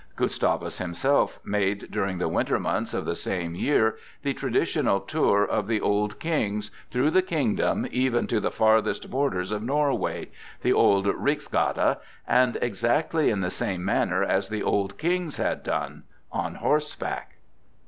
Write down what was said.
Gustavus himself made during the winter months of the same year the traditional tour of the old kings through the kingdom even to the farthest borders of Norway—the old riksgata—and exactly in the same manner as the old kings had done—on horseback.